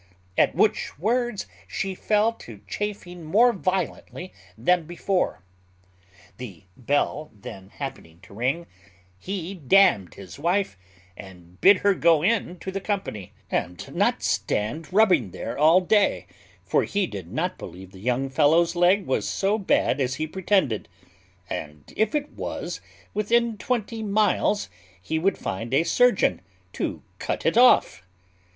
At which words she fell to chafing more violently than before: the bell then happening to ring, he damn'd his wife, and bid her go in to the company, and not stand rubbing there all day, for he did not believe the young fellow's leg was so bad as he pretended; and if it was, within twenty miles he would find a surgeon to cut it off.